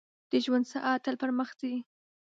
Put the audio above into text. • د ژوند ساعت تل پر مخ ځي.